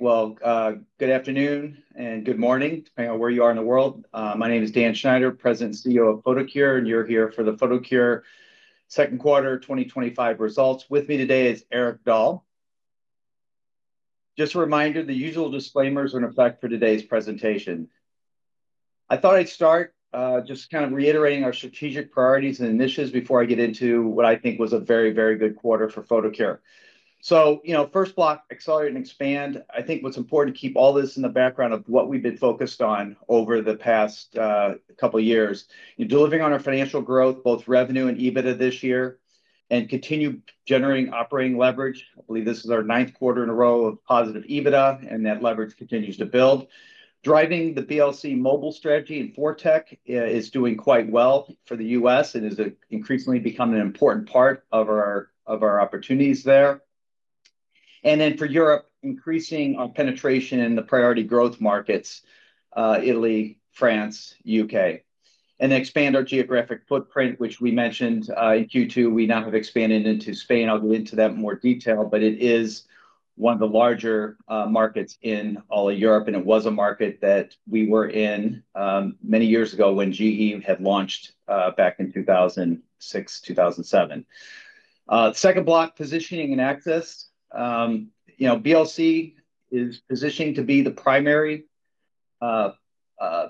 All right. Good afternoon and good morning, depending on where you are in the world. My name is Dan Schneider, President and CEO of Photocure, and you're here for the Photocure second quarter 2025 results. With me today is Erik Dahl. Just a reminder, the usual disclaimers are in effect for today's presentation. I thought I'd start just kind of reiterating our strategic priorities and initiatives before I get into what I think was a very, very good quarter for Photocure. First block, accelerate and expand. I think what's important to keep all this in the background of what we've been focused on over the past couple of years, delivering on our financial growth, both revenue and EBITDA this year, and continue generating operating leverage. I believe this is our ninth quarter in a row of positive EBITDA, and that leverage continues to build. Driving the BLC mobile strategy in ForTec is doing quite well for the U.S. and is increasingly becoming an important part of our opportunities there. For Europe, increasing penetration in the priority growth markets, Italy, France, U.K., and expand our geographic footprint, which we mentioned in Q2. We now have expanded into Spain. I'll go into that in more detail, but it is one of the larger markets in all of Europe, and it was a market that we were in many years ago when GE had launched back in 2006, 2007. Second block, positioning and access. BLC is positioning to be the primary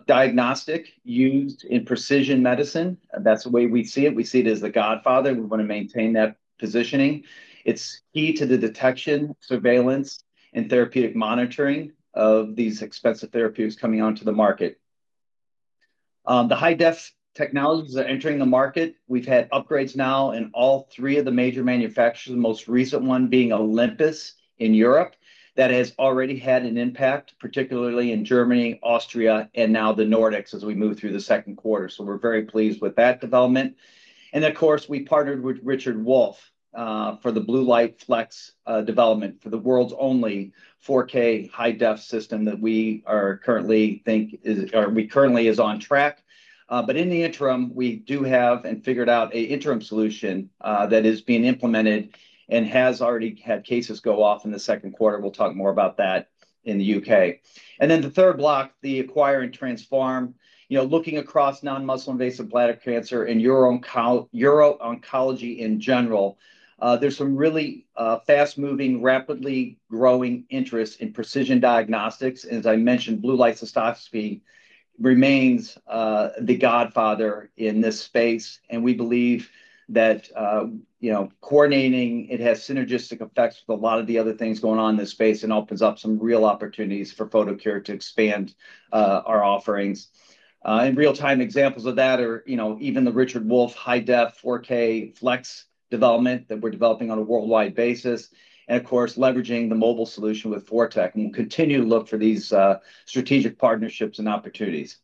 diagnostic used in precision medicine. That's the way we see it. We see it as the godfather, and we want to maintain that positioning. It's key to the detection, surveillance, and therapeutic monitoring of these expensive therapeutics coming onto the market. The high-depth technologies are entering the market. We've had upgrades now in all three of the major manufacturers, the most recent one being Olympus in Europe. That has already had an impact, particularly in Germany, Austria, and now the Nordics as we move through the second quarter. We're very pleased with that development. Of course, we partnered with Richard Wolf for Blue Light flex development for the world's only 4K high-def system that we currently think is, or we currently is on track. In the interim, we do have and figured out an interim solution that is being implemented and has already had cases go off in the second quarter. We'll talk more about that in the U.K. The third block, the acquire and transform, looking across non-muscle invasive bladder cancer and Uro-Oncology in general, there's some really fast-moving, rapidly growing interest in precision diagnostics. As Blue Light Cystoscopy remains the godfather in this space. We believe that coordinating it has synergistic effects with a lot of the other things going on in this space and opens up some real opportunities for Photocure to expand our offerings. Real-time examples of that are even the Richard Wolf high-definition 4K flex development that we're developing on a worldwide basis. Of course, leveraging the mobile solution with ForTec and continuing to look for these strategic partnerships and opportunities.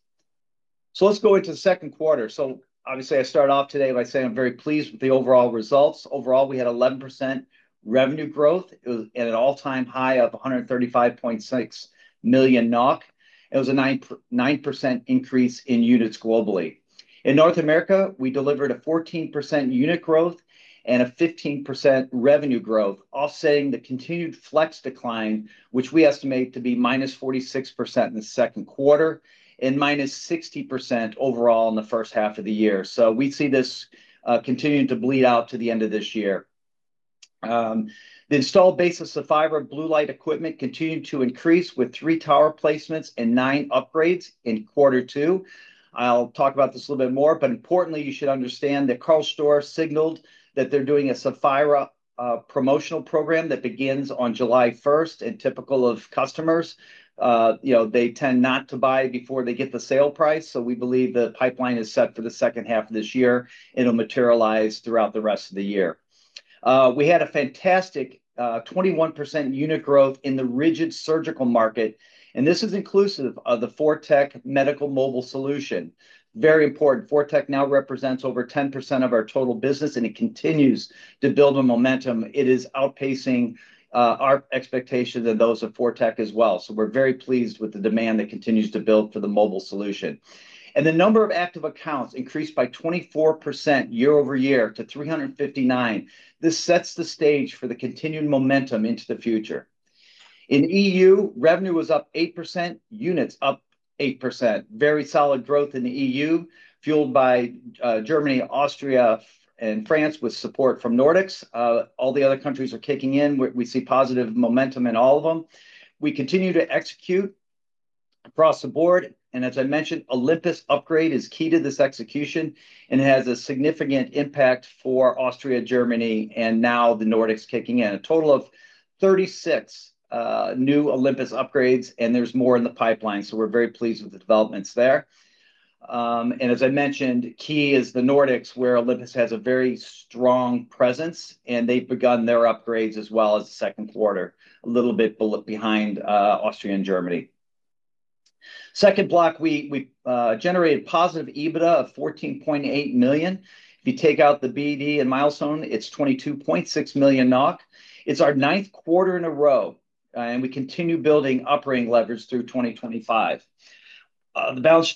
Let's go into the second quarter. Obviously, I started off today by saying I'm very pleased with the overall results. Overall, we had 11% revenue growth and an all-time high of 135.6 million NOK. It was a 9% increase in units globally. In North America, we delivered a 14% unit growth and a 15% revenue growth, offsetting the continued flex decline, which we estimate to be -46% in the second quarter and -60% overall in the first half of the year. We see this continuing to bleed out to the end of this year. The installed base of Blue Light equipment continued to increase with three tower placements and nine upgrades in quarter two. I'll talk about this a little bit more, but importantly, you should understand that Karl Storz signaled that they're doing a Saphira promotional program that begins on July 1st and typical of customers, they tend not to buy before they get the sale price. We believe the pipeline is set for the second half of this year. It'll materialize throughout the rest of the year. We had a fantastic 21% unit growth in the Rigid Surgical Market, and this is inclusive of the ForTec Medical mobile solution. Very important, ForTec now represents over 10% of our total business, and it continues to build momentum. It is outpacing our expectations and those of ForTec as well. We're very pleased with the demand that continues to build for the mobile solution. The number of active accounts increased by 24% year-over-year to 359%. This sets the stage for the continued momentum into the future. In EU, revenue was up 8%, units up 8%. Very solid growth in the EU fueled by Germany, Austria, and France with support from Nordics. All the other countries are kicking in. We see positive momentum in all of them. We continue to execute across the Board. As I mentioned, the Olympus upgrade is key to this execution and has a significant impact for Austria, Germany, and now the Nordics kicking in. A total of 36 new Olympus upgrades, and there's more in the pipeline. We're very pleased with the developments there. As I mentioned, key is the Nordics where Olympus has a very strong presence, and they've begun their upgrades as well as the second quarter, a little bit behind Austria and Germany. Second block, we generated positive EBITDA of 14.8 million. If you take out the BD and milestone, it's 22.6 million NOK. It's our ninth quarter in a row, and we continue building operating leverage through 2025. The balance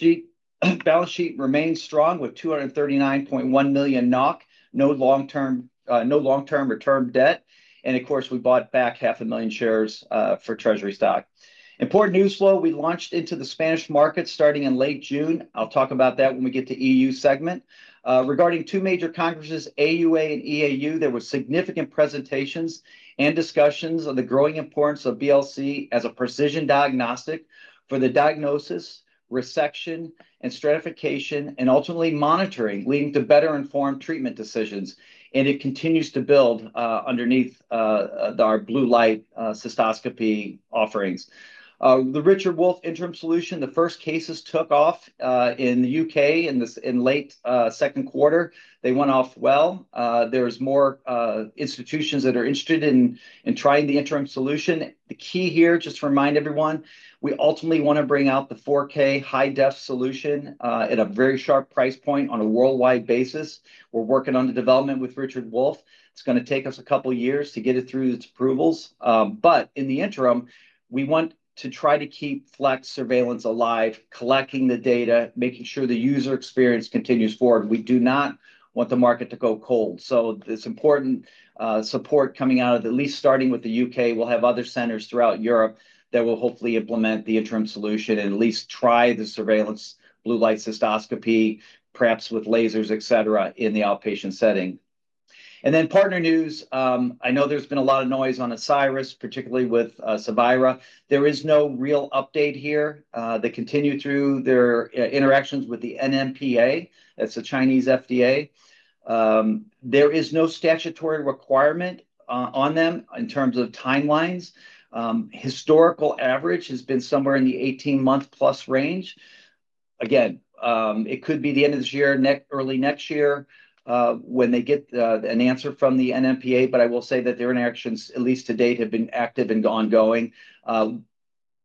sheet remains strong with 239.1 million NOK. No long-term return debt. Of course, we bought back half a million shares for treasury stock. Important news flow we launched into the Spanish market starting in late June. I'll talk about that when we get to the EU segment. Regarding two major congresses, AUA and EAU, there were significant presentations and discussions of the growing importance of BLC as a precision diagnostic for the diagnosis, resection, and stratification, and ultimately monitoring leading to better informed treatment decisions. It continues to build Blue Light Cystoscopy offerings. the Richard Wolf Interim Solution, the first cases took off in the U.K. in the late second quarter. They went off well. There are more institutions that are interested in trying the interim solution. Key here, just to remind everyone, we ultimately want to bring out the 4K high-definition solution at a very sharp price point on a worldwide basis. We're working on the development with Richard Wolf. It's going to take us a couple of years to get it through its approvals. In the Interim, we want to try to keep flex surveillance alive, collecting the data, making sure the user experience continues forward. We do not want the market to go cold. This important support coming out of at least starting with the U.K., we'll have other centers throughout Europe that will hopefully implement the Interim Solution and at least try Blue Light Cystoscopy, perhaps with lasers, etc., in the outpatient setting. Partner news, I know there's been a lot of noise on Asieris, particularly with Saphira. There is no real update here. They continue through their interactions with the NMPA. That's the Chinese FDA. There is no statutory requirement on them in terms of timelines. Historical average has been somewhere in the 18-month+ range. It could be the end of this year, early next year when they get an answer from the NMPA, but I will say that their interactions, at least to date, have been active and ongoing.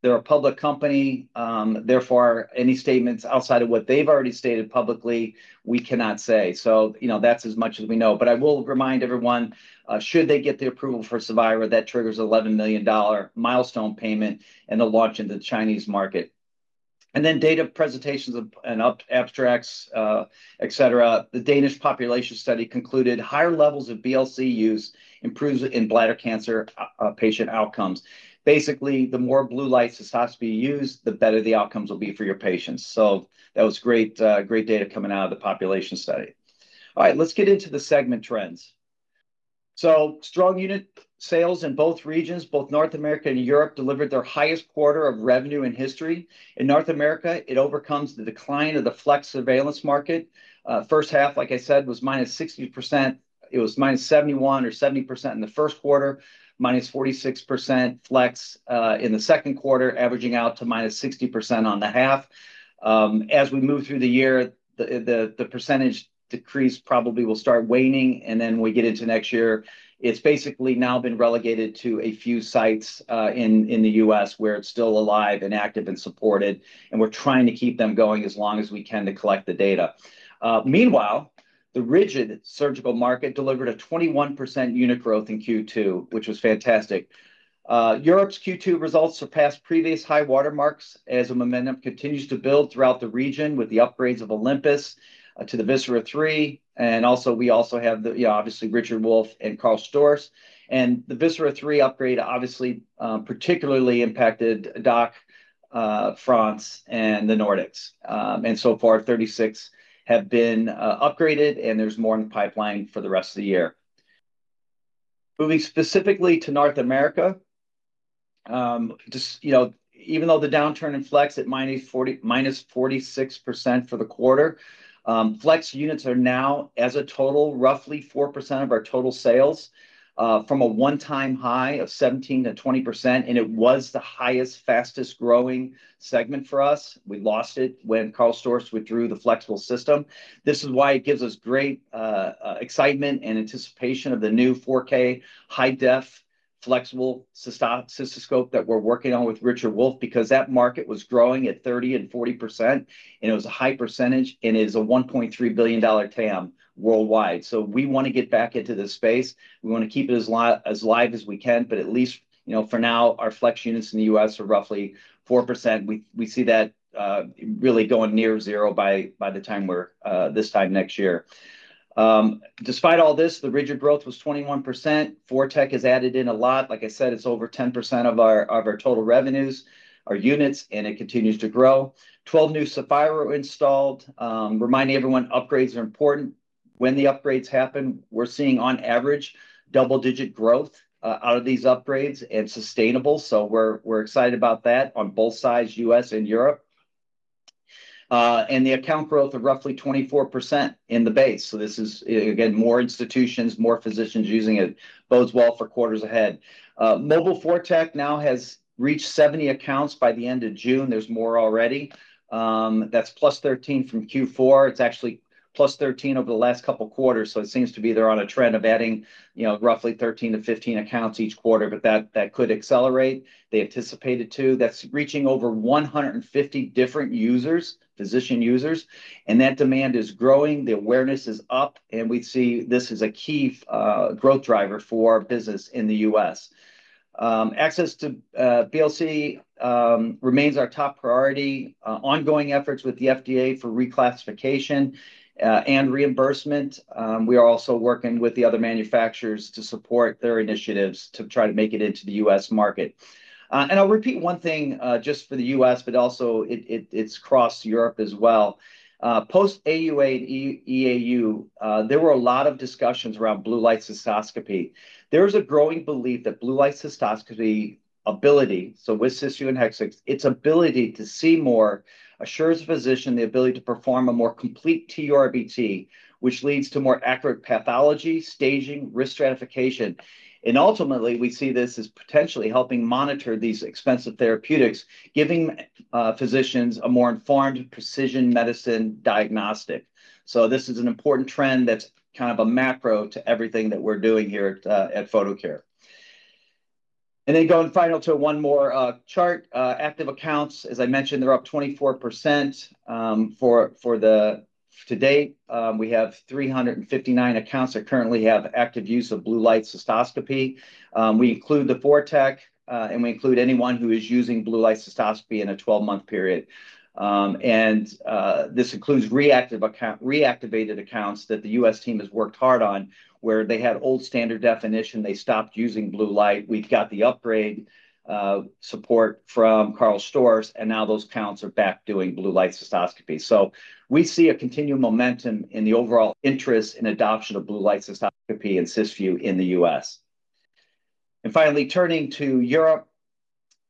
They're a public company. Therefore, any statements outside of what they've already stated publicly, we cannot say. That's as much as we know. I will remind everyone, should they get the approval for Saphira, that triggers an NOK 11 million milestone payment and a launch in the Chinese market. Data presentations and abstracts, etc. The Danish population study concluded higher levels of BLC use improves in bladder cancer patient outcomes. Basically, Blue Light Cystoscopy you use, the better the outcomes will be for your patients. That was great data coming out of the population study. All right, let's get into the segment trends. Strong unit sales in both regions, both North America and Europe, delivered their highest quarter of revenue in history. In North America, it overcomes the decline of the flex surveillance market. First half, like I said, was -60%. It was -71% or 70% in the first quarter, -46% flex in the second quarter, averaging out to -60% on the half. As we move through the year, the percentage decrease probably will start waning. When we get into next year, it's basically now been relegated to a few sites in the U.S. where it's still alive and active and supported. We're trying to keep them going as long as we can to collect the data. Meanwhile, the rigid surgical market delivered a 21% unit growth in Q2, which was fantastic. Europe's Q2 results surpassed previous high watermarks as the momentum continues to build throughout the region with the upgrades of Olympus to the VISERA 3. We also have, obviously, Richard Wolf and Karl Storz. The VISERA 3 upgrade particularly impacted DACH, France, and the Nordics. So far, 36 have been upgraded, and there's more in the pipeline for the rest of the year. Moving specifically to North America, even though the downturn in flex at -46% for the quarter, flex units are now, as a total, roughly 4% of our total sales from a one-time high of 17% to 20%. It was the highest, fastest growing segment for us. We lost it when Karl Storz withdrew the flexible system. This is why it gives us great excitement and anticipation of the new 4K high-def flexible BLC system that we're working on with Richard Wolf because that market was growing at 30% and 40%. It was a high percentage, and it is a NOK 1.3 billion TAM worldwide. We want to get back into this space. We want to keep it as live as we can, but at least, you know, for now, our flex units in the U.S. are roughly 4%. We see that really going near zero by the time we're this time next year. Despite all this, the rigid growth was 21%. ForTec has added in a lot. Like I said, it's over 10% of our total revenues, our units, and it continues to grow. Twelve new Saphira installed. Reminding everyone, upgrades are important. When the upgrades happen, we're seeing on average double-digit growth out of these upgrades and sustainable. We're excited about that on both sides, U.S. and Europe. The account growth of roughly 24% in the base. This is, again, more institutions, more physicians using it. Both well for quarters ahead. Mobile ForTec now has reached 70 accounts by the end of June. There's more already. That's +13 from Q4. It's actually +13 over the last couple of quarters. It seems to be they're on a trend of adding, you know, roughly 13 and 15 accounts each quarter, but that could accelerate. They anticipate it too. That's reaching over 150 different users, physician users. That demand is growing. The awareness is up. We see this is a key growth driver for our business in the U.S. Access to BLC remains our top priority. Ongoing efforts with the FDA for reclassification and reimbursement. We are also working with the other manufacturers to support their initiatives to try to make it into the U.S. market. I'll repeat one thing just for the U.S., but also it's across Europe as well. Post AUA and EAU, there were a lot of Blue Light Cystoscopy. there is a growing Blue Light Cystoscopy ability, so with Cysview and Hexvix, its ability to see more assures a physician the ability to perform a more complete TURBT, which leads to more accurate pathology, staging, risk stratification. Ultimately, we see this as potentially helping monitor these expensive therapeutics, giving physicians a more informed precision medicine diagnostic. This is an important trend that's kind of a macro to everything that we're doing here at Photocure. Going finally to one more chart, active accounts, as I mentioned, they're up 24% for the year-to-date. We have 359 accounts that currently have active Blue Light Cystoscopy. we include the ForTec, and we include anyone who Blue Light Cystoscopy in a 12-month period. This includes reactivated accounts that the U.S. team has worked hard on, where they had old standard definition. They stopped Blue Light. we've got the upgrade support from Karl Storz, and now those accounts are Blue Light Cystoscopy. we see continued momentum in the overall interest in Blue Light Cystoscopy and cysview in the U.S. Finally, turning to Europe,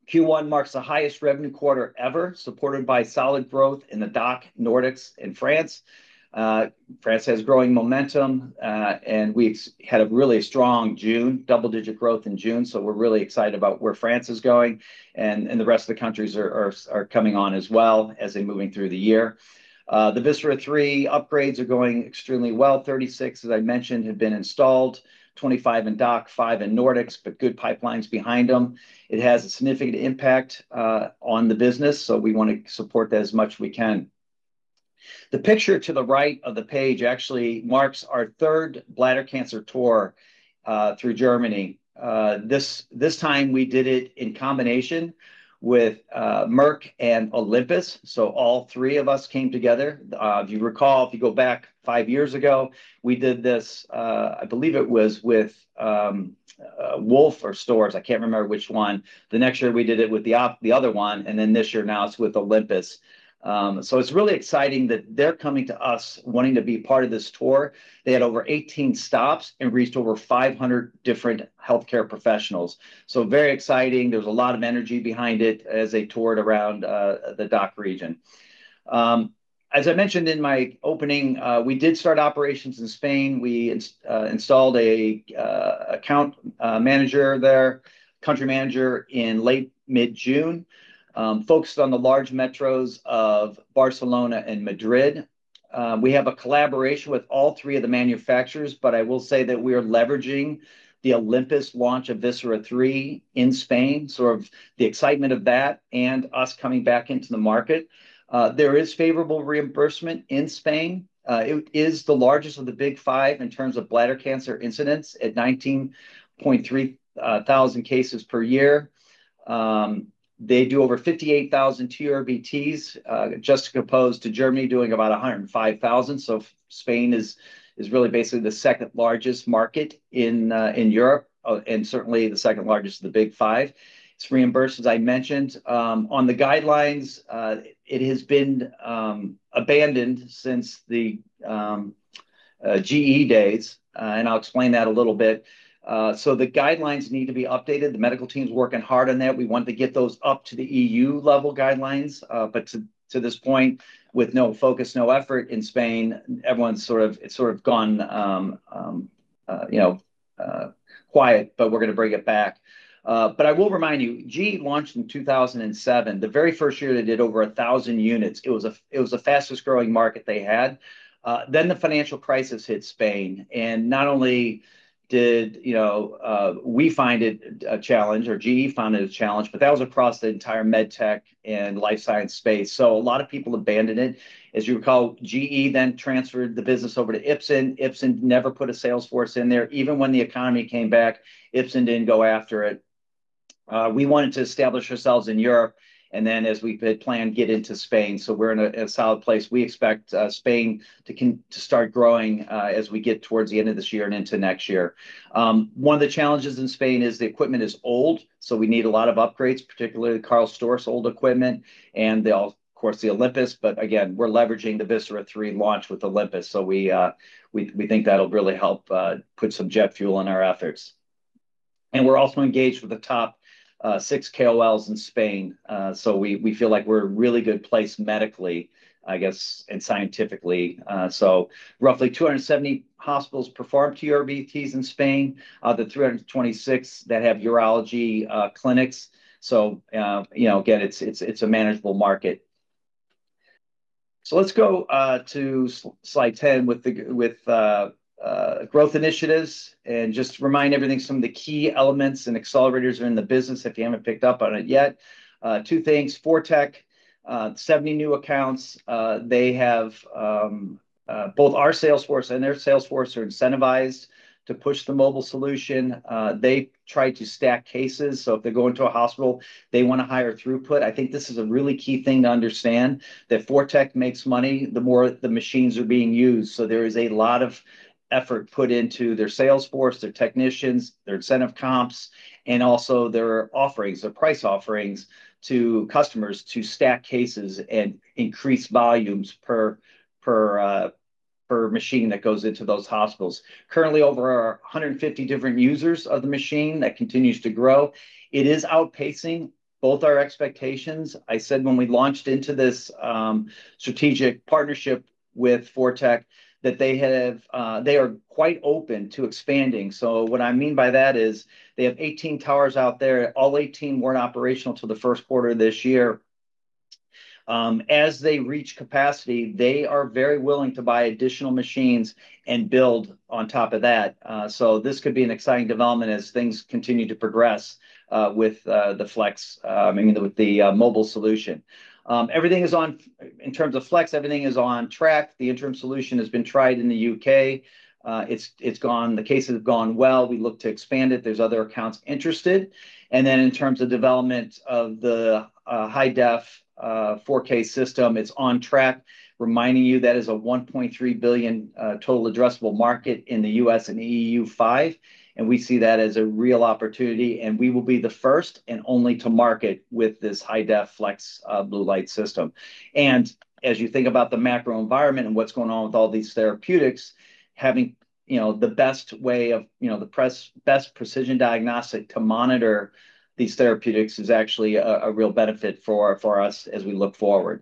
Q1 marks the highest revenue quarter ever, supported by solid growth in the DACH, Nordics, and France. France has growing momentum, and we've had a really strong June, double-digit growth in June. We're really excited about where France is going, and the rest of the countries are coming on as well as they're moving through the year. The Olympus Viscera 3 upgrades are going extremely well. Thirty-six, as I mentioned, have been installed, 25 in DACH, five in Nordics, but good pipelines behind them. It has a significant impact on the business, so we want to support that as much as we can. The picture to the right of the page actually marks our third bladder cancer tour through Germany. This time, we did it in combination with Merck and Olympus. All three of us came together. If you recall, if you go back five years ago, we did this, I believe it was with Richard Wolf or Karl Storz, I can't remember which one. The next year we did it with the other one, and this year now it's with Olympus. It's really exciting that they're coming to us wanting to be part of this tour. They had over 18 stops and reached over 500 different healthcare professionals. Very exciting. There was a lot of energy behind it as they toured around the DACH region. As I mentioned in my opening, we did start operations in Spain. We installed an account manager there, country manager in late mid-June, focused on the large metros of Barcelona and Madrid. We have a collaboration with all three of the manufacturers, but I will say that we are leveraging the Olympus launch of VISERA 3 in Spain, sort of the excitement of that and us coming back into the market. There is favorable reimbursement in Spain. It is the largest of the Big 5 in terms of bladder cancer incidents at 19,300 cases per year. They do over 58,000 TURBTs, as opposed to Germany doing about 105,000. Spain is basically the second largest market in Europe and certainly the second largest of the Big 5. It's reimbursed, as I mentioned. On the guidelines, it has been abandoned since the GE days, and I'll explain that a little bit. The guidelines need to be updated. The medical team is working hard on that. We want to get those up to the EU level guidelines, but to this point, with no focus, no effort in Spain, everyone's sort of, it's sort of gone quiet, but we're going to bring it back. I will remind you, GE launched in 2007, the very first year they did over 1,000 units. It was the fastest growing market they had. The financial crisis hit Spain, and not only did we find it a challenge, or GE found it a challenge, but that was across the entire MedTech and Llife Science space. A lot of people abandoned it. As you recall, GE then transferred the business over to Ipsen. Ipsen never put a sales force in there. Even when the economy came back, Ipsen didn't go after it. We wanted to establish ourselves in Europe, and then as we planned to get into Spain, we're in a solid place. We expect Spain to start growing as we get towards the end of this year and into next year. One of the challenges in Spain is the equipment is old, so we need a lot of upgrades, particularly Karl Storz old equipment, and of course the Olympus, but again, we're leveraging the VISERA 3 launch with Olympus, so we think that'll really help put some jet fuel in our efforts. We're also engaged with the top six KOLs in Spain, so we feel like we're in a really good place medically and scientifically. Roughly 270 hospitals perform TURBTs in Spain, of the 326 that have Urology clinics. It's a manageable market. Let's go to slide 10 with growth initiatives and just remind everything some of the key elements and accelerators are in the business if you haven't picked up on it yet. Two things, ForTec, 70 new accounts. They have both our sales force and their sales force incentivized to push the mobile solution. They try to stack cases, so if they go into a hospital, they want higher throughput. I think this is a really key thing to understand that ForTec makes money the more the machines are being used. There is a lot of effort put into their sales force, their technicians, their incentive comps, and also their offerings, their price offerings to customers to stack cases and increase volumes per machine that goes into those hospitals. Currently, over 150 different users of the machine, and that continues to grow. It is outpacing both our expectations. I said when we launched into this strategic partnership with ForTec that they are quite open to expanding. What I mean by that is they have 18 towers out there. All 18 weren't operational until the first quarter of this year. As they reach capacity, they are very willing to buy additional machines and build on top of that. This could be an exciting development as things continue to progress with the flex, I mean, with the mobile solution. Everything is on track in terms of flex. The interim solution has been tried in the U.K. The case has gone well. We look to expand it. There are other accounts interested. In terms of development of the high-def 4K system, it's on track. Reminding you, that is a 1.3 billion total addressable market in the U.S. and EU5. We see that as a real opportunity, and we will be the first and only to market with this high-def Blue Light system. As you think about the macro environment and what's going on with all these therapeutics, having the best way of, you know, the best precision diagnostic to monitor these therapeutics is actually a real benefit for us as we look forward.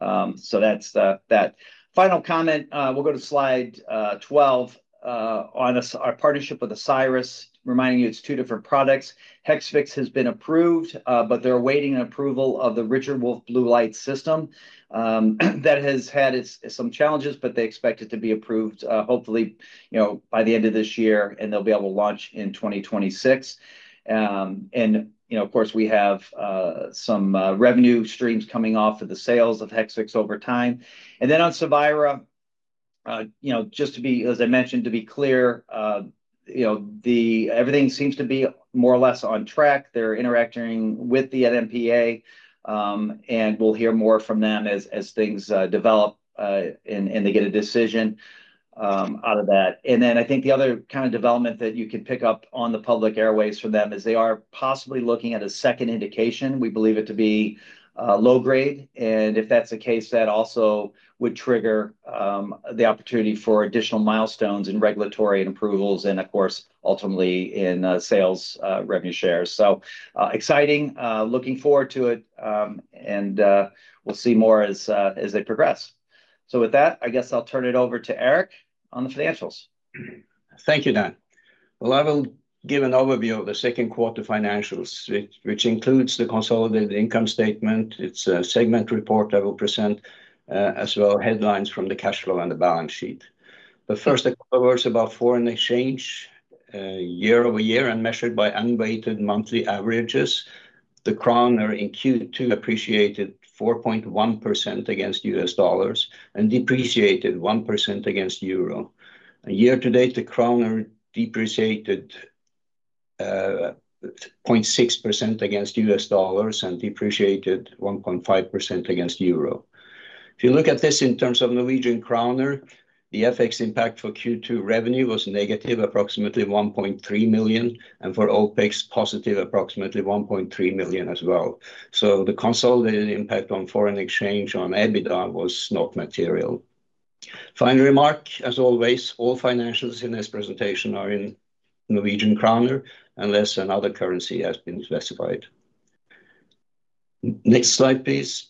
That's that. Final comment, we'll go to slide 12 on our partnership with Asieris. Reminding you, it's two different products. Hexvix has been approved, but they're awaiting approval of the Richard Blue Light system. That has had some challenges, but they expect it to be approved hopefully by the end of this year, and they'll be able to launch in 2026. Of course, we have some revenue streams coming off of the sales of Hexvix over time. On Saphira, just to be clear, everything seems to be more or less on track. They're interacting with the NMPA, and we'll hear more from them as things develop and they get a decision out of that. The other kind of development that you could pick up on the public airways from them is they are possibly looking at a second indication. We believe it to be low grade, and if that's the case, that also would trigger the opportunity for additional milestones in regulatory approvals and, of course, ultimately in sales revenue shares. Exciting, looking forward to it, and we'll see more as they progress. With that, I guess I'll turn it over to Erik on the financials. Thank you, Dan. I will give an overview of the second quarter financials, which includes the consolidated income statement. It's a segment report I will present as well as headlines from the cash flow and the balance sheet. First, a quick word about foreign exchange. Year-over-year and measured by unweighted monthly averages, the Kroner in Q2 appreciated 4.1% against U.S. dollars and depreciated 1% against Euro. Year-date, the Kroner depreciated 0.6% against U.S. dollars and depreciated 1.5% against Euro. If you look at this in terms of Norwegian Kroner, the FX impact for Q2 revenue was negative, approximately 1.3 million, and for OpEx positive, approximately 1.3 million as well. The consolidated impact on foreign exchange on EBITDA was not material. Final remark, as always, all financials in this presentation are in Norwegian Kroner, unless another currency has been specified. Next slide, please.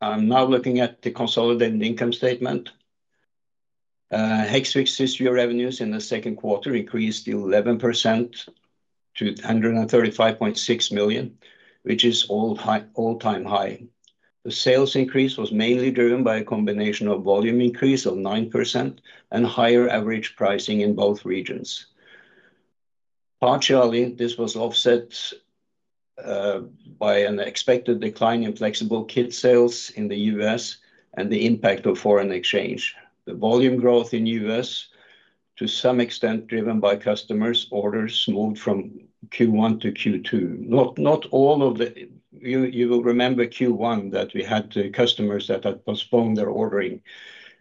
I'm now looking at the consolidated income statement. Hexvix's revenues in the second quarter increased 11% to 135.6 million, which is all-time high. The sales increase was mainly driven by a combination of volume increase of 9% and higher average pricing in both regions. Partially, this was offset by an expected decline in flexible kit sales in the U.S. and the impact of foreign exchange. The volume growth in the U.S., to some extent driven by customers' orders moved from Q1 to Q2. You will remember Q1 that we had customers that had postponed their ordering,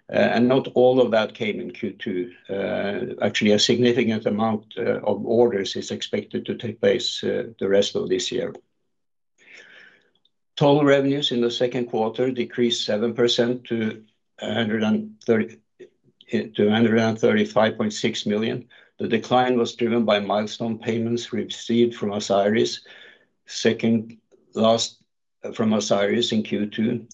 and not all of that came in Q2. Actually, a significant amount of orders is expected to take place the rest of this year. Total revenues in the second quarter decreased 7% to 135.6 million. The decline was driven by milestone payments received from Asieris, second last from Asieris in Q2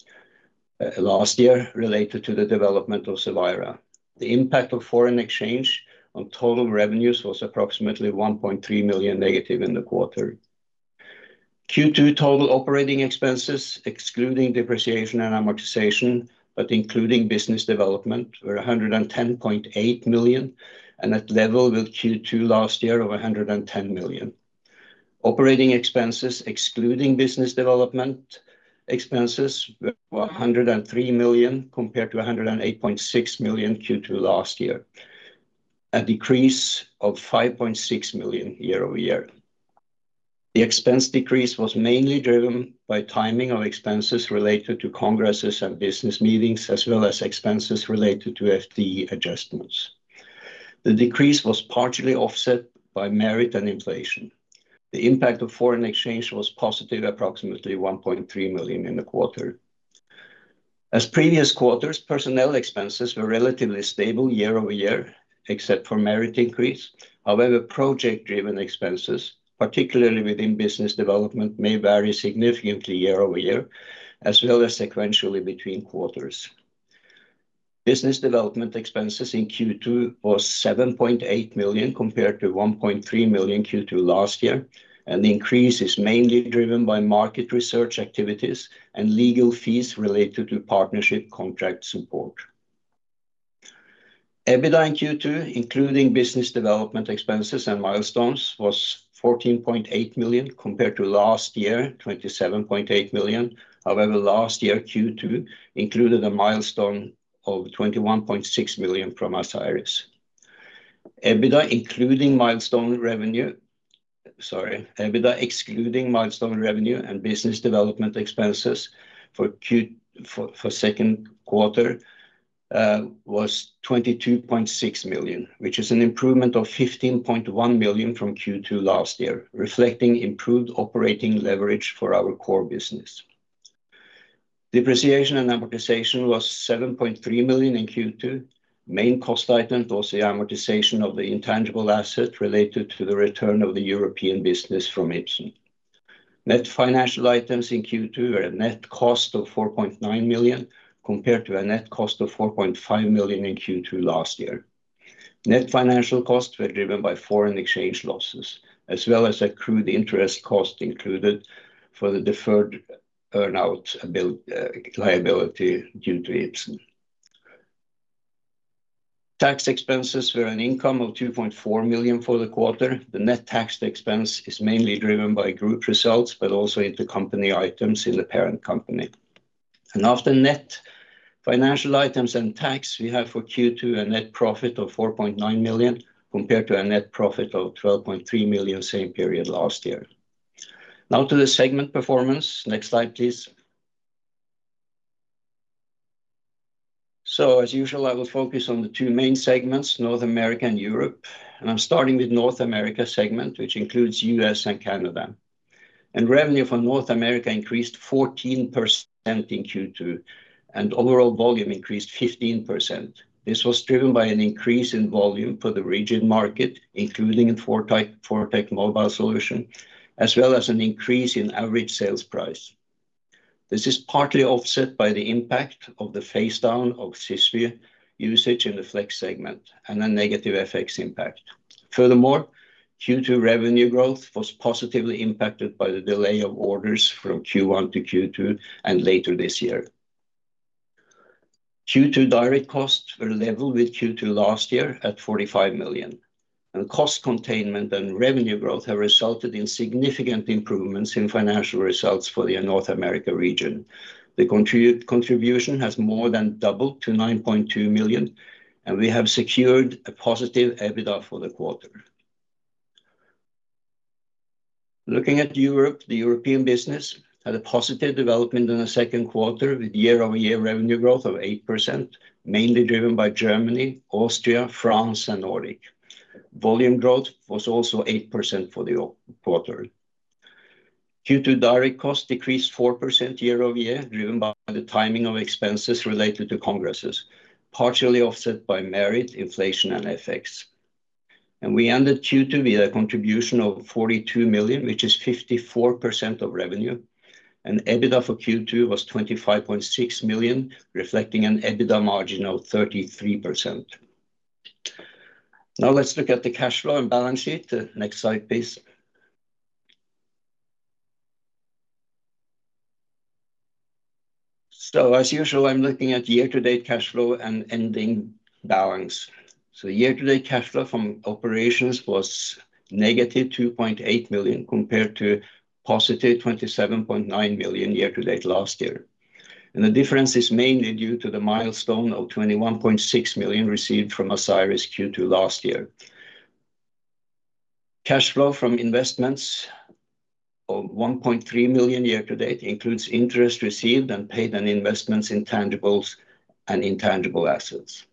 last-year related to the development of Saphira. The impact of foreign exchange on total revenues was approximately -1.3 million in the quarter. Q2 total operating expenses, excluding depreciation and amortization but including business development, were 110.8 million, and at level with Q2 last year of 110 million. Operating expenses, excluding business development expenses, were 103 million compared to 108.6 million Q2 last year, a decrease of 5.6 million year-over-year. The expense decrease was mainly driven by timing of expenses related to congresses and business meetings, as well as expenses related to FDA adjustments. The decrease was partially offset by merit and inflation. The impact of foreign exchange was positive, approximately 1.3 million in the quarter. As previous quarters, personnel expenses were relatively stable year-over-year, except for merit increase. However, project-driven expenses, particularly within business development, may vary significantly year-over-year, as well as sequentially between quarters. Business development expenses in Q2 were 7.8 million compared to 1.3 million Q2 last year, and the increase is mainly driven by market research activities and legal fees related to partnership contract support. EBITDA in Q2, including business development expenses and milestones, was 14.8 million compared to last year, 27.8 million. However, last year Q2 included a milestone of 21.6 million from Asieris. EBITDA, including milestone revenue, sorry, EBITDA excluding milestone revenue and business development expenses for Q2 for second quarter was 22.6 million, which is an improvement of 15.1 million from Q2 last year, reflecting improved operating leverage for our core business. Depreciation and amortization was 7.3 million in Q2. Main cost item was the amortization of the intangible asset related to the return of the European business from Ipsen. Net financial items in Q2 were a net cost of 4.9 million compared to a net cost of 4.5 million in Q2 last year. Net financial costs were driven by foreign exchange losses, as well as accrued interest costs included for the deferred earnout liability due to Ipsen. Tax expenses were an income of 2.4 million for the quarter. The net tax expense is mainly driven by group results, but also intercompany items in the parent company. After net financial items and tax, we have for Q2 a net profit of 4.9 million compared to a net profit of 12.3 million same period last year. Now to the segment performance. Next slide, please. As usual, I will focus on the two main segments, North America and Europe. I'm starting with the North America segment, which includes the U.S. and Canada. Revenue for North America increased 14% in Q2, and overall volume increased 15%. This was driven by an increase in volume for the rigid surgical market, including in ForTec mobile solutions, as well as an increase in average sales price. This is partly offset by the impact of the phase down of Cysview usage in the flex segment and a negative FX impact. Furthermore, Q2 revenue growth was positively impacted by the delay of orders from Q1 to Q2 and later this year. Q2 direct costs were level with Q2 last year at 45 million. Cost containment and revenue growth have resulted in significant improvements in financial results for the North America region. The contribution has more than doubled to 9.2 million, and we have secured a positive EBITDA for the quarter. Looking at Europe, the European business had a positive development in the second quarter with year-over-year revenue growth of 8%, mainly driven by Germany, Austria, France, and Nordics. Volume growth was also 8% for the quarter. Q2 direct costs decreased 4% year-over-year, driven by the timing of expenses related to congresses, partially offset by merit, inflation, and FX. We ended Q2 with a contribution of 42 million, which is 54% of revenue, and EBITDA for Q2 was 25.6 million, reflecting an EBITDA margin of 33%. Now let's look at the cash flow and balance sheet. The next slide, please. As usual, I'm looking at year-to-date cash flow and ending balance. Year-to-date cash flow from operations was negative 2.8 million compared to positive 27.9 million year-to-date last year. The difference is mainly due to the milestone of 21.6 million received from Asieris Q2 last year. Cash flow from investments of 1.3 million year-to-date includes interest received and paid on investments, intangibles, and intangible assets.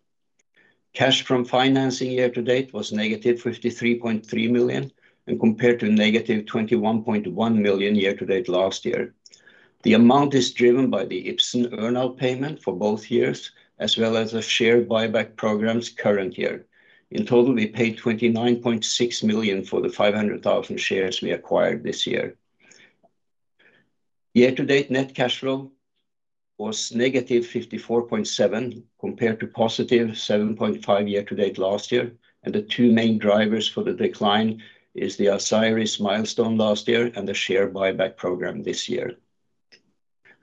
Cash from financing year-to-date was negative 53.3 million compared to negative 21.1 million year-to-date last year. The amount is driven by the Ipsen earnout payment for both years, as well as a share buyback program's current year. In total, we paid 29.6 million for the 500,000 shares we acquired this year. Year-to-date net cash flow was negative 54.7 million compared to positive 7.5 million year-to-date last year, and the two main drivers for the decline are the Asieris milestone last year and the share buyback program this year.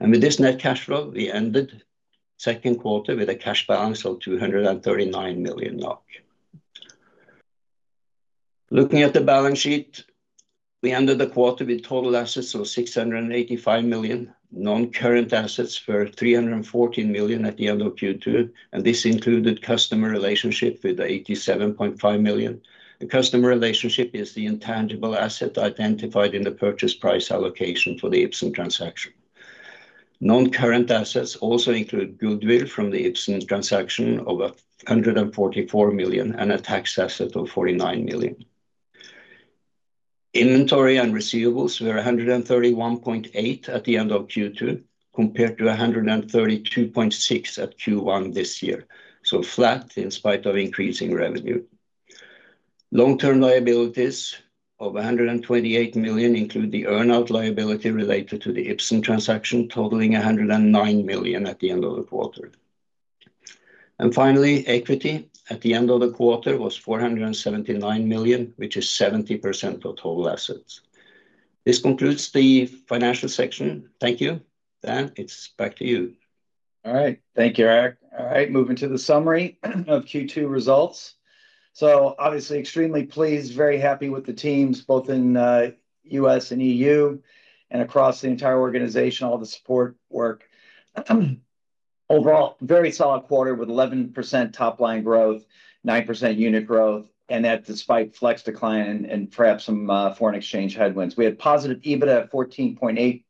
With this net cash flow, we ended the second quarter with a cash balance of 239 million NOK. Looking at the balance sheet, we ended the quarter with total assets of 685 million, non-current assets of 314 million at the end of Q2, and this included customer relationship with 87.5 million. The customer relationship is the intangible asset identified in the purchase price allocation for the Ipsen transaction. Non-current assets also include goodwill from the Ipsen transaction of 144 million and a tax asset of 49 million. Inventory and receivables were 131.8 million at the end of Q2 compared to 132.6 million at Q1 this year. Flat in spite of increasing revenue. Long-term liabilities of 128 million include the earnout liability related to the Ipsen transaction totaling 109 million at the end of the quarter. Finally, equity at the end of the quarter was 479 million, which is 70% of total assets. This concludes the financial section. Thank you. Dan, it's back to you. All right, thank you, Erik. All right, moving to the summary of Q2 results. Obviously extremely pleased, very happy with the teams both in the U.S. and EU and across the entire organization, all the support work. Overall, very solid quarter with 11% top line growth, 9% unit growth, and that despite flex decline and perhaps some foreign exchange headwinds. We had positive EBITDA at 14.8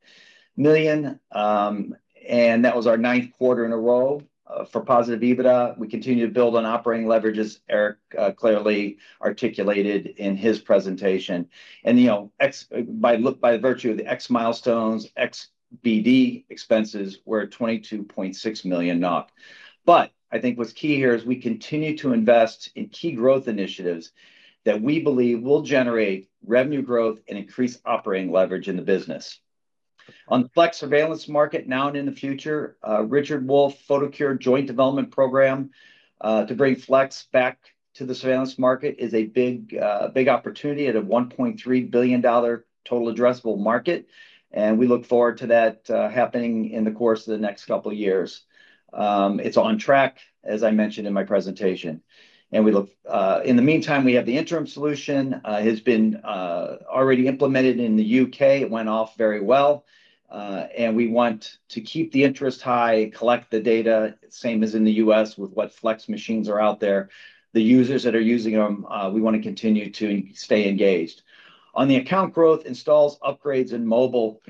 million, and that was our ninth quarter in a row for positive EBITDA. We continue to build on operating leverages Erik clearly articulated in his presentation. By virtue of the X milestones, XBD expenses were at 22.6 million NOK NOK. I think what's key here is we continue to invest in key growth initiatives that we believe will generate revenue growth and increase operating leverage in the business. On the flex surveillance market now and in the future, Richard Wolf Photocure joint development program to bring flex back to the surveillance market is a big, big opportunity at a NOK 1.3 billion total addressable market. We look forward to that happening in the course of the next couple of years. It's on track, as I mentioned in my presentation. In the meantime, we have the interim solution that has been already implemented in the U.K. It went off very well. We want to keep the interest high, collect the data, same as in the U.S. with what flex machines are out there. The users that are using them, we want to continue to stay engaged. On the account growth, installs, upgrades in mobile,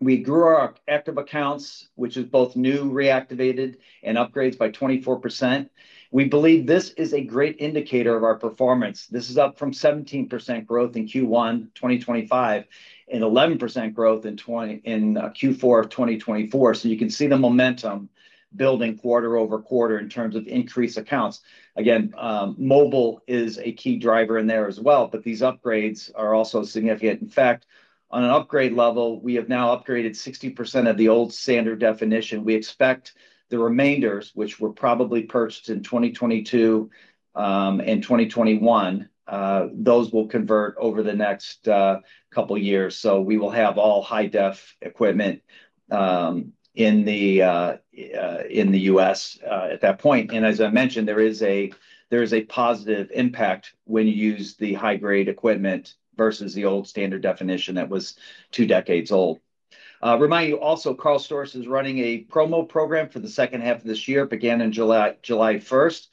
we grew our active accounts, which is both new, reactivated, and upgrades by 24%. We believe this is a great indicator of our performance. This is up from 17% growth in Q1 2025 and 11% growth in Q4 2024. You can see the momentum building quarter-over-quarter in terms of increased accounts. Mobile is a key driver in there as well, but these upgrades are also significant. In fact, on an upgrade level, we have now upgraded 60% of the old standard definition. We expect the remainders, which were probably purchased in 2022 to 2021, those will convert over the next couple of years. We will have all high-def equipment in the U.S. at that point. As I mentioned, there is a positive impact when you use the high-grade equipment versus the old standard definition that was two decades old. Remind you also, Karl Storz is running a promo program for the second half of this year, began on July 1st.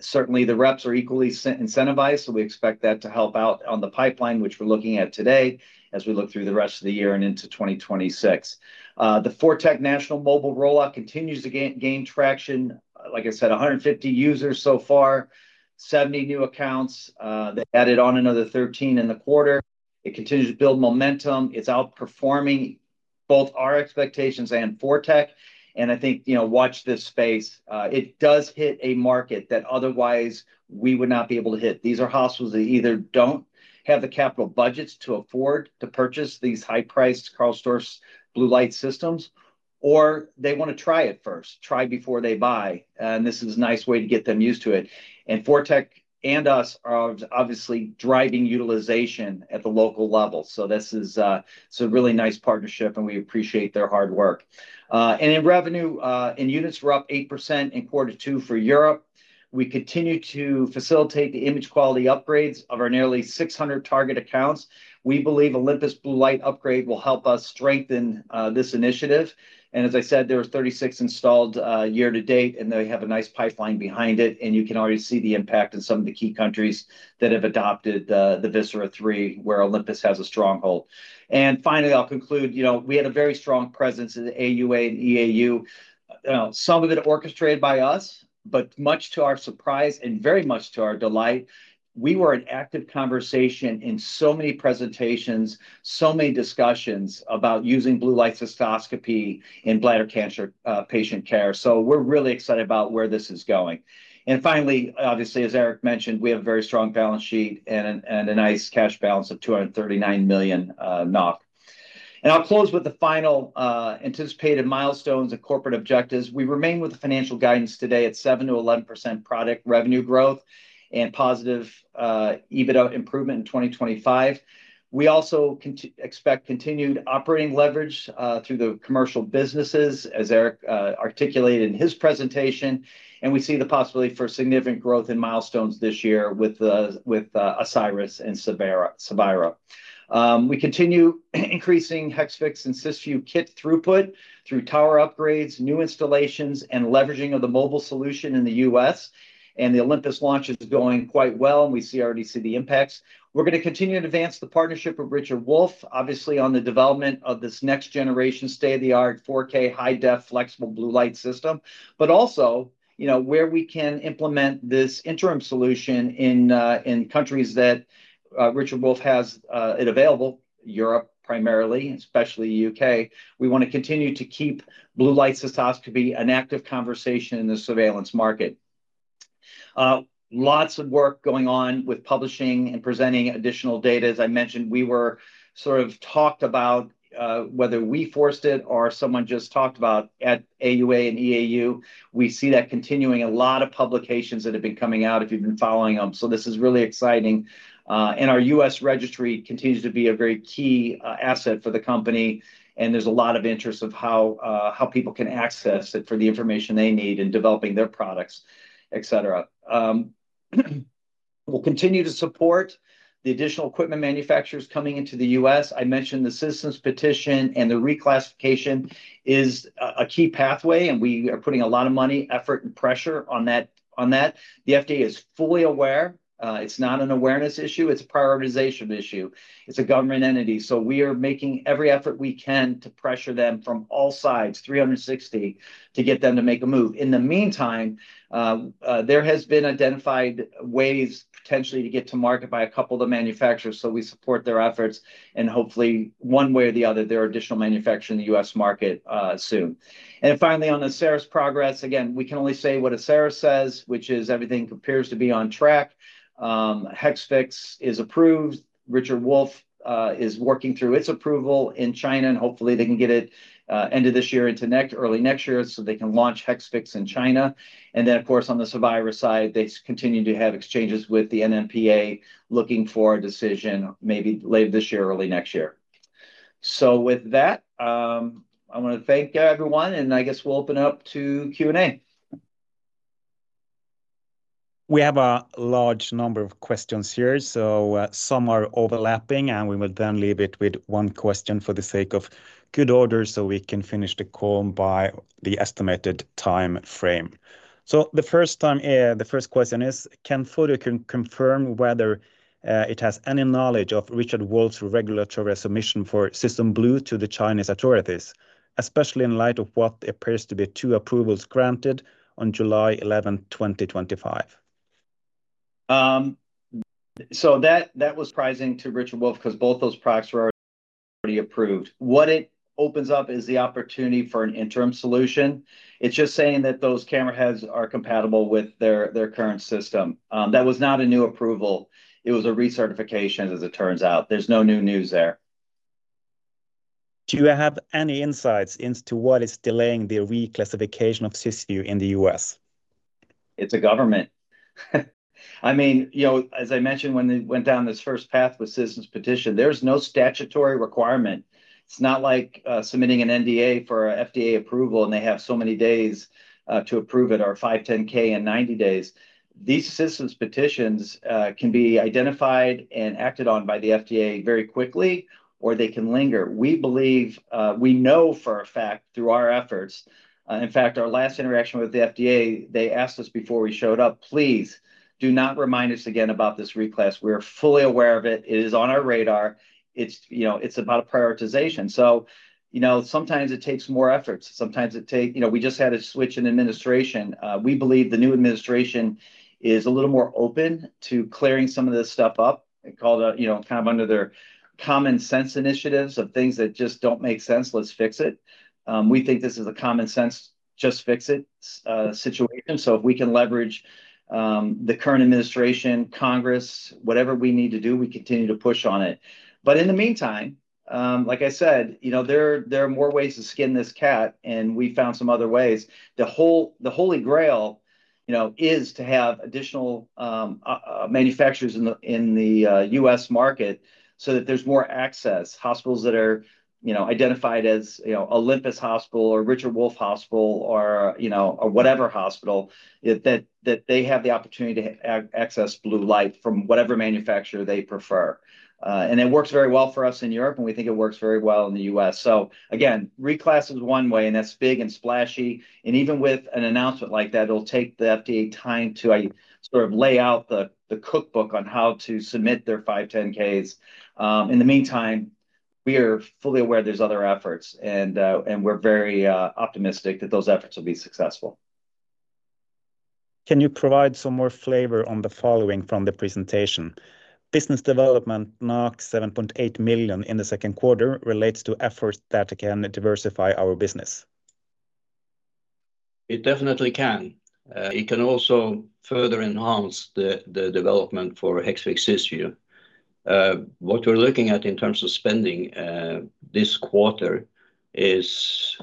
Certainly, the reps are equally incentivized, so we expect that to help out on the pipeline, which we're looking at today as we look through the rest of the year and into 2026. The ForTec national mobile rollout continues to gain traction. Like I said, 150 users so far, 70 new accounts. They added on another 13 in the quarter. It continues to build momentum. It's outperforming both our expectations and ForTec. I think, you know, watch this space. It does hit a market that otherwise we would not be able to hit. These are hospitals that either don't have the capital budgets to afford to purchase these high-priced Karl Storz Blue Light systems, or they want to try it first, try before they buy. This is a nice way to get them used to it. ForTec and us are obviously driving utilization at the local level. This is a really nice partnership, and we appreciate their hard work. In revenue, units were up 8% in quarter two for Europe. We continue to facilitate the image quality upgrades of our nearly 600 target accounts. We believe Olympus Blue Light upgrade will help us strengthen this initiative. As I said, there were 36 installed year-to-date, and they have a nice pipeline behind it. You can already see the impact in some of the key countries that have adopted the Olympus VISERA 3, where Olympus has a stronghold. Finally, I'll conclude, we had a very strong presence in the AUA and EAU. Some of it orchestrated by us, but much to our surprise and very much to our delight, we were an active conversation in so many presentations, so many discussions Blue Light Cystoscopy in bladder cancer patient care. We're really excited about where this is going. Obviously, as Erik mentioned, we have a very strong balance sheet and a nice cash balance of 239 million NOK. I'll close with the final anticipated milestones and corporate objectives. We remain with the financial guidance today at 7%-11% product revenue growth and positive EBITDA improvement in 2025. We also expect continued operating leverage through the commercial businesses, as Erik articulated in his presentation. We see the possibility for significant growth in milestones this year with Asieris and Saphira. We continue increasing Hexvix and Cysview kit throughput through tower upgrades, new installations, and leveraging of the mobile solution in the U.S. The Olympus launch is going quite well, and we already see the impacts. We're going to continue to advance the partnership with Richard Wolf, obviously on the development of this next generation state-of-the-art 4K high-definition flexible BLC system. Also, where we can implement this interim solution in countries that Richard Wolf has it available, Europe primarily, especially the U.K.. We want to continue Blue Light Cystoscopy an active conversation in the surveillance market. Lots of work going on with publishing and presenting additional data. As I mentioned, we sort of talked about whether we forced it or someone just talked about it at AUA and EAU. We see that continuing, a lot of publications that have been coming out if you've been following them. This is really exciting. Our U.S. registry continues to be a very key asset for the company, and there's a lot of interest in how people can access it for the information they need in developing their products, etc. We'll continue to support the additional equipment manufacturers coming into the U.S. I mentioned the systems petition and the reclassification is a key pathway, and we are putting a lot of money, effort, and pressure on that. The FDA is fully aware. It's not an awareness issue. It's a prioritization issue. It's a government entity. We are making every effort we can to pressure them from all sides, 360, to get them to make a move. In the meantime, there have been identified ways potentially to get to market by a couple of the manufacturers. We support their efforts and hopefully one way or the other, there is an additional manufacturer in the U.S. market soon. Finally, on the Asieris progress, again, we can only say what Asieris says, which is everything appears to be on track. Hexvix is approved. Richard Wolf is working through its approval in China, and hopefully they can get it end of this year into next, early next year so they can launch Hexvix in China. On the Saphira side, they continue to have exchanges with the NMPA looking for a decision maybe late this year, early next year. With that, I want to thank everyone, and I guess we'll open it up to Q&A. We have a large number of questions here, some are overlapping, and we will then leave it with one question for the sake of good order so we can finish the call by the estimated time frame. The first question is, can Photocure confirm whether it has any knowledge of Richard Wolf's regulatory resignation for System Blue to the Chinese authorities, especially in light of what appears to be two approvals granted on July 11, 2025? That was surprising to Richard Wolf because both those products were already approved. What it opens up is the opportunity for an interim solution. It's just saying that those camera heads are compatible with their current system. That was not a new approval. It was a recertification, as it turns out. There's no new news there. Do you have any insights into what is delaying the reclassification of Cysview in the U.S.? It's a government. I mean, as I mentioned, when it went down this first path with Citizens Petition, there's no statutory requirement. It's not like submitting an NDA for FDA approval and they have so many days to approve it or 510(k) in 90 days. These Citizens Petitions can be identified and acted on by the FDA very quickly, or they can linger. We believe, we know for a fact through our efforts. In fact, our last interaction with the FDA, they asked us before we showed up, please do not remind us again about this reclass. We're fully aware of it. It is on our radar. It's about a prioritization. Sometimes it takes more efforts. Sometimes it takes, we just had a switch in administration. We believe the new administration is a little more open to clearing some of this stuff up. It called, kind of under their common sense initiatives of things that just don't make sense, let's fix it. We think this is a common sense, just fix it situation. If we can leverage the current administration, Congress, whatever we need to do, we continue to push on it. In the meantime, like I said, there are more ways to skin this cat, and we found some other ways. The holy grail is to have additional manufacturers in the U.S. market so that there's more access. Hospitals that are identified as Olympus Hospital or Richard Wolf Hospital or whatever hospital, that they have the opportunity to Blue Light from whatever manufacturer they prefer. It works very well for us in Europe, and we think it works very well in the U.S. Again, reclass is one way, and that's big and splashy. Even with an announcement like that, it'll take the FDA time to sort of lay out the cookbook on how to submit their 510(k)s. In the meantime, we are fully aware there's other efforts, and we're very optimistic that those efforts will be successful. Can you provide some more flavor on the following from the presentation? Business development 7.8 million in the second quarter relates to efforts that can diversify our business. It definitely can. It can also further enhance the development for Hexvix Cysview. What we're looking at in terms of spending this quarter is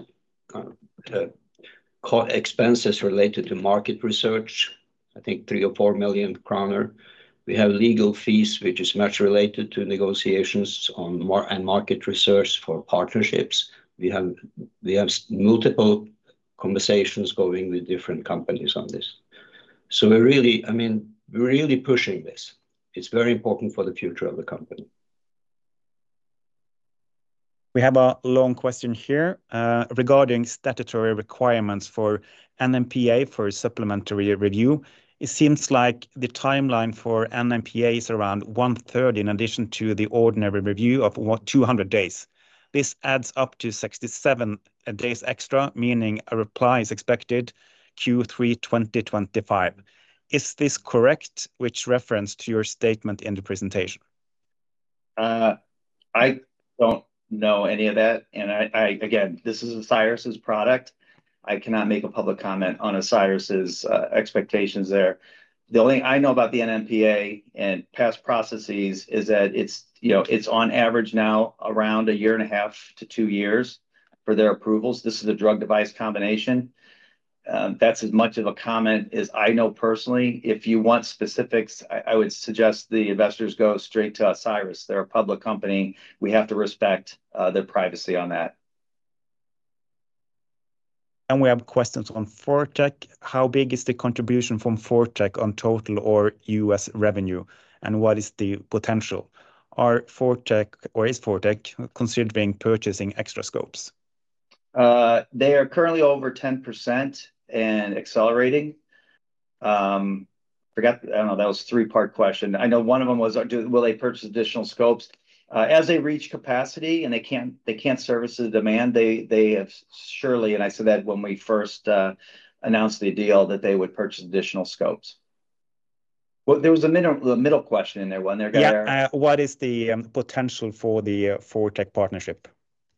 expenses related to market research. I think 3 million or 4 million kroner. We have legal fees, which is much related to negotiations and market research for partnerships. We have multiple conversations going with different companies on this. We're really pushing this. It's very important for the future of the company. We have a long question here regarding statutory requirements for NMPA for a supplementary review. It seems like the timeline for NMPA is around one third in addition to the ordinary review of 200 days. This adds up to 67 days extra, meaning a reply is expected Q3 2025. Is this correct with reference to your statement in the presentation? I don't know any of that. Again, this is Asieris' product. I cannot make a public comment on Asieris' expectations there. The only thing I know about the NMPA and past processes is that it's, you know, it's on average now around a year and a half to two years for their approvals. This is a drug-device combination. That's as much of a comment as I know personally. If you want specifics, I would suggest the investors go straight to Asieris. They're a public company. We have to respect their privacy on that. We have questions on ForTec. How big is the contribution from ForTec on total or US revenue? What is the potential? Are ForTec, or is ForTec, considered being purchasing extra scopes? They are currently over 10% and accelerating. I forgot, I don't know, that was a three-part question. I know one of them was, will they purchase additional scopes? As they reach capacity and they can't service the demand, they have surely, and I said that when we first announced the deal that they would purchase additional scopes. There was a middle question in there, wasn't there? Yeah, what is the potential for the ForTec partnership?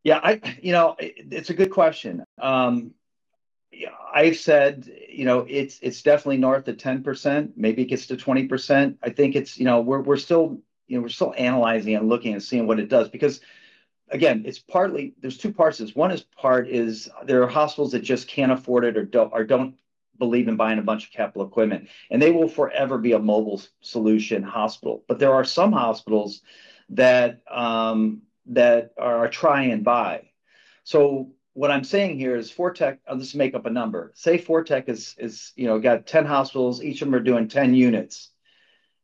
Yeah, you know, it's a good question. I've said, you know, it's definitely north of 10%. Maybe it gets to 20%. I think it's, you know, we're still analyzing and looking and seeing what it does because, again, it's partly, there's two parts to this. One part is there are hospitals that just can't afford it or don't believe in buying a bunch of capital equipment. They will forever be a mobile solution hospital. There are some hospitals that are trying to buy. What I'm saying here is ForTec, I'll just make up a number. Say ForTec has, you know, got 10 hospitals, each of them are doing 10 units.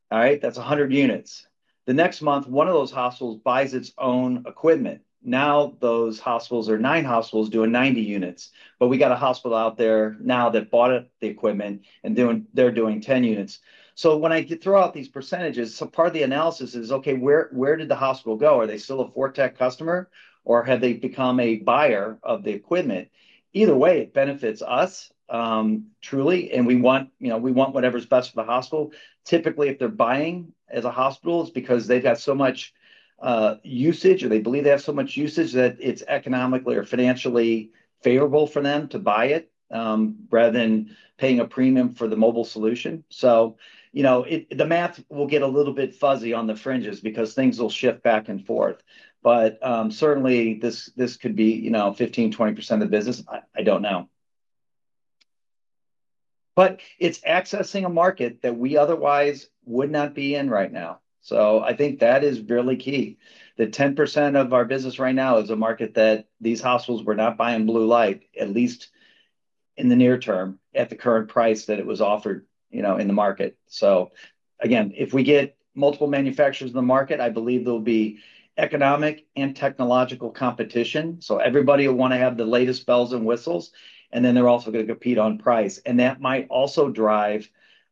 All right, that's 100 units. The next month, one of those hospitals buys its own equipment. Now those hospitals are nine hospitals doing 90 units. We got a hospital out there now that bought up the equipment and they're doing 10 units. When I throw out these percentages, part of the analysis is, okay, where did the hospital go? Are they still a ForTec customer or have they become a buyer of the equipment? Either way, it benefits us truly. We want, you know, we want whatever's best for the hospital. Typically, if they're buying as a hospital, it's because they've got so much usage or they believe they have so much usage that it's economically or financially favorable for them to buy it rather than paying a premium for the mobile solution. The math will get a little bit fuzzy on the fringes because things will shift back and forth. Certainly, this could be, you know, 15%, 20% of the business. I don't know. It's accessing a market that we otherwise would not be in right now. I think that is really key. The 10% of our business right now is a market that these hospitals were not Blue Light, at least in the near term at the current price that it was offered in the market. If we get multiple manufacturers in the market, I believe there'll be economic and technological competition. Everybody will want to have the latest bells and whistles. They're also going to compete on price. That might also drive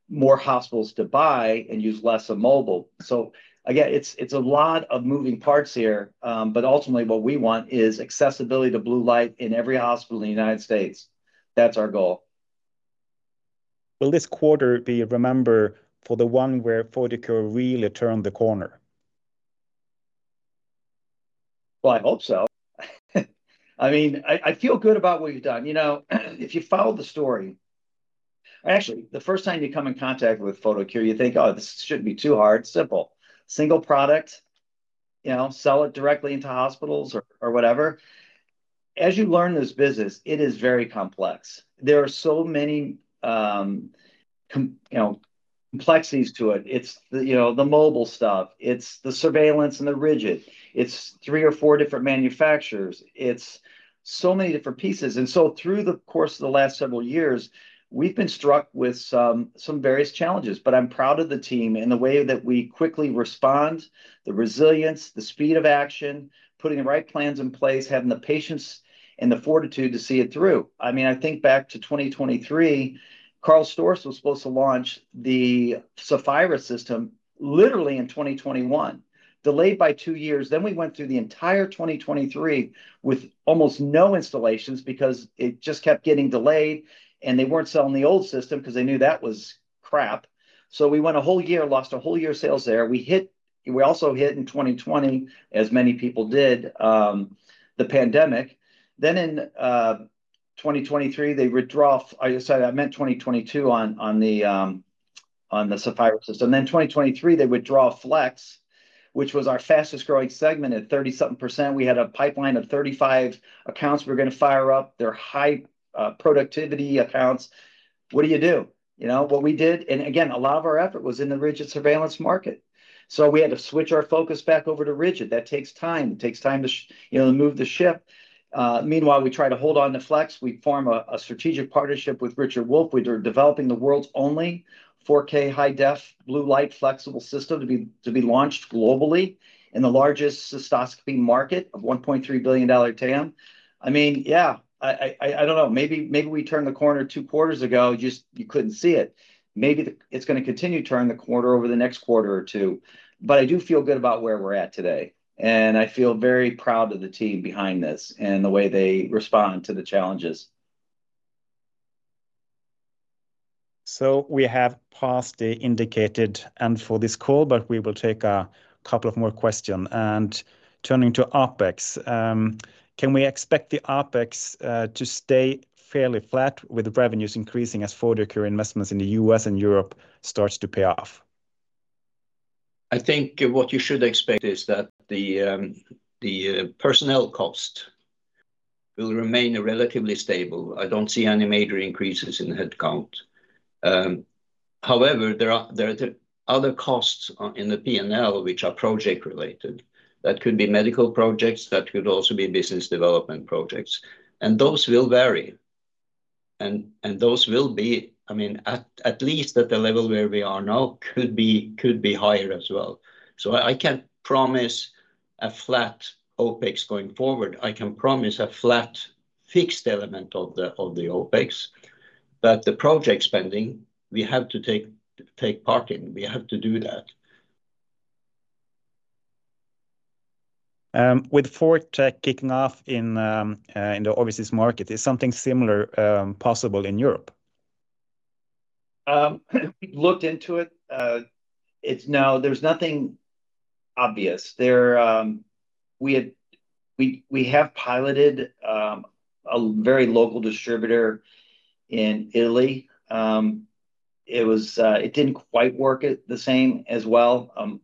more hospitals to buy and use less of mobile. It's a lot of moving parts here. Ultimately, what we want is accessibility Blue Light in every hospital in the United States. That's our goal. Will this quarter be a reminder for the one where Photocure really turned the corner? I hope so. I mean, I feel good about what you've done. You know, if you follow the story, actually, the first time you come in contact with Photocure, you think, oh, this shouldn't be too hard. It's simple. Single product, you know, sell it directly into hospitals or whatever. As you learn this business, it is very complex. There are so many complexities to it. It's the mobile stuff. It's the surveillance and the rigid. It's three or four different manufacturers. It's so many different pieces. Through the course of the last several years, we've been struck with some various challenges. I'm proud of the team and the way that we quickly respond, the resilience, the speed of action, putting the right plans in place, having the patience and the fortitude to see it through. I think back to 2023, Karl Storz was supposed to launch the Saphira system literally in 2021, delayed by two years. We went through the entire 2023 with almost no installations because it just kept getting delayed. They weren't selling the old system because they knew that was crap. We went a whole year, lost a whole year's sales there. We also hit in 2020, as many people did, the pandemic. In 2023, they withdraw, I said I meant 2022 on the Saphira system. In 2023, they withdraw flex, which was our fastest growing segment at 30%. We had a pipeline of 35 accounts we were going to fire up. They're high productivity accounts. What do you do? You know what we did? A lot of our effort was in the rigid surveillance market. We had to switch our focus back over to rigid. That takes time. It takes time to move the ship. Meanwhile, we try to hold on to flex. We form a strategic partnership with Richard Wolf. We're developing the world's only 4K high-def Blue Light flexible system to be launched globally in the largest Cystoscopy market of NOK 1.3 billion TAM. I don't know. Maybe we turned the corner two quarters ago. Just you couldn't see it. Maybe it's going to continue to turn the corner over the next quarter or two. I do feel good about where we're at today. I feel very proud of the team behind this and the way they respond to the challenges. We have passed the indicated end for this call, but we will take a couple more questions. Turning to OpEx, can we expect the OpEx to stay fairly flat with revenues increasing as Photocure investments in the U.S. and Europe start to pay off? I think what you should expect is that the personnel cost will remain relatively stable. I don't see any major increases in headcount. However, there are other costs in the P&L, which are project-related. That could be medical projects. That could also be business development projects. Those will vary. At least at the level where we are now, could be higher as well. I can't promise a flat OpEx going forward. I can promise a flat fixed element of the OpEx, but the project spending, we have to take part in. We have to do that. With ForTec kicking off in the overseas market, is something similar possible in Europe? Looked into it. It's now, there's nothing obvious. We have piloted a very local distributor in Italy. It didn't quite work the same as well.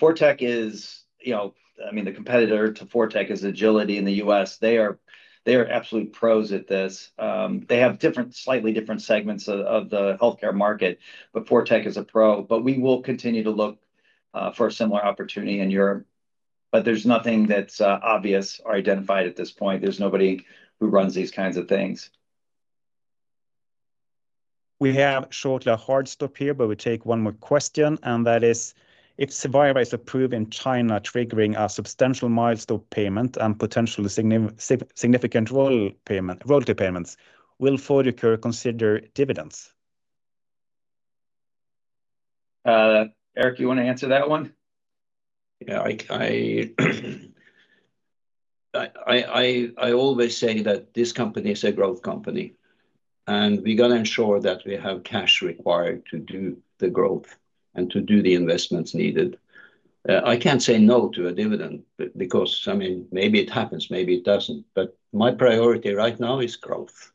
ForTec is, you know, I mean, the competitor to ForTec is agility in the U.S. They are absolute pros at this. They have different, slightly different segments of the healthcare market. ForTec is a pro. We will continue to look for a similar opportunity in Europe. There's nothing that's obvious or identified at this point. There's nobody who runs these kinds of things. We have shortly a hard stop here, but we take one more question. That is, if Saphira is approved in China, triggering a substantial milestone payment and potentially significant royalty payments, will Photocure consider dividends? Erik, you want to answer that one? I always say that this company is a growth company. We're going to ensure that we have cash required to do the growth and to do the investments needed. I can't say no to a dividend because, I mean, maybe it happens, maybe it doesn't. My priority right now is growth.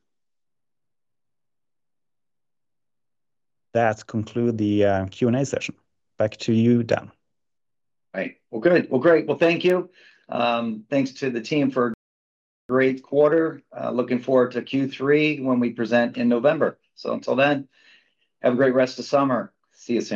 That concludes the Q&A session. Back to you, Dan. All right. Great. Thank you. Thanks to the team for a great quarter. Looking forward to Q3 when we present in November. Until then, have a great rest of the summer. See you soon.